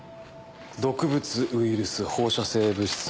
毒物ウイルス放射性物質。